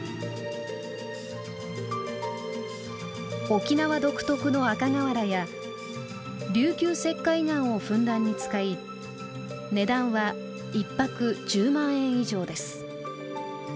沖縄独特の赤瓦や琉球石灰岩をふんだんに使い値段は一泊１０万円以上です。